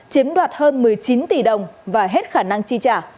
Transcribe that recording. chiếm đoạt hơn một mươi chín tỷ đồng và hết khả năng chi trả